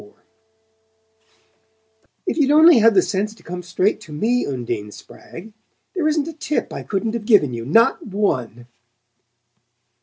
XXIV "If you'd only had the sense to come straight to me, Undine Spragg! There isn't a tip I couldn't have given you not one!"